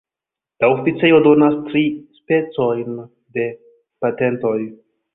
La oficejo donas tri specojn de patentoj.